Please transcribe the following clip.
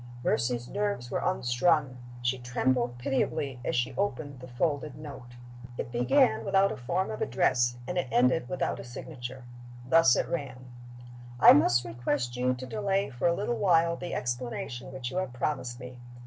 Mercy's nerves were unstrung. She trembled pitiably as she opened the folded note. It began without a form of address, and it ended without a signature. Thus it ran: "I must request you to delay for a little while the explanation which you have promised me.